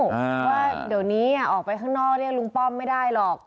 ว่าเดี๋ยวนี้ออกไปข้างนอกเรียกลุงป้อมไม่ได้หรอก